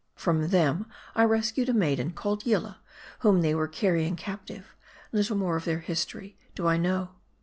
From them I rescued a maiden, called Yillah, whom they were carrying captive; Little more of their history do I know."